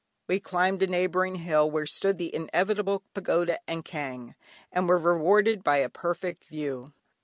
We climbed a neighbouring hill where stood the inevitable pagoda and kyaung, and were rewarded by a perfect view.